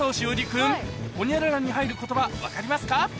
君ホニャララに入る言葉分かりますか？